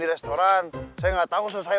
di restoran saya gak tau selesai